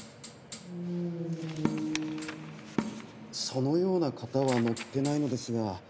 そのような方は載ってないのですが。